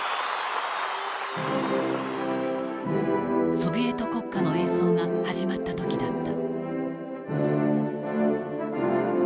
ソビエト国歌の演奏が始まった時だった。